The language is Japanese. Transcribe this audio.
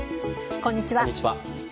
こんにちは。